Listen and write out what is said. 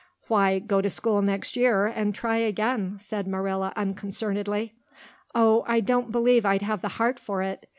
"Why, go to school next year and try again," said Marilla unconcernedly. "Oh, I don't believe I'd have the heart for it.